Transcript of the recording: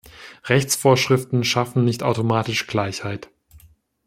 Rechtsvorschriften schaffen nicht automatisch Gleichheit.